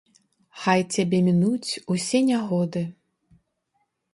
Хай цябе мінуць усе нягоды.